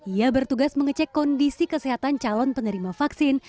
ia bertugas mengecek kondisi kesehatan calon penerima vaksin